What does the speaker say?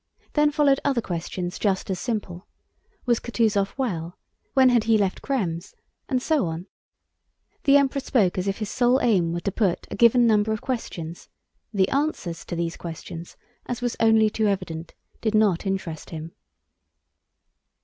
Then followed other questions just as simple: "Was Kutúzov well? When had he left Krems?" and so on. The Emperor spoke as if his sole aim were to put a given number of questions—the answers to these questions, as was only too evident, did not interest him.